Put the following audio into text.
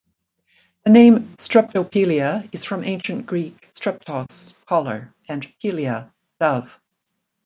The name "Streptopelia" is from Ancient Greek "streptos", "collar" and "peleia", "dove".